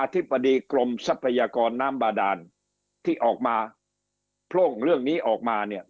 ธิบดีกรมทรัพยากรน้ำบาดานที่ออกมาโพร่งเรื่องนี้ออกมาเนี่ย